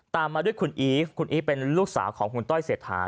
มาด้วยคุณอีฟคุณอีฟเป็นลูกสาวของคุณต้อยเศรษฐา